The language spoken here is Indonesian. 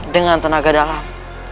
dengan tenaga dalam